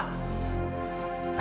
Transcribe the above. kamu gak percaya